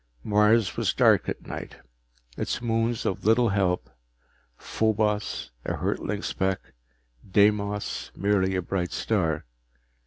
Mars was dark at night, its moons of little help Phobos a hurtling speck, Deimos merely a bright star.